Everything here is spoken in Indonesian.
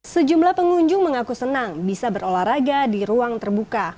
sejumlah pengunjung mengaku senang bisa berolahraga di ruang terbuka